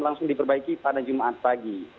langsung diperbaiki pada jumat pagi